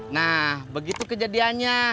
nah begitu kejadiannya